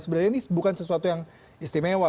sebenarnya ini bukan sesuatu yang istimewa